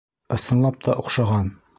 Ысынлап та оҡшаған!